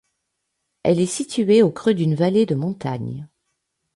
Elle est située au creux d'une vallée de montagne.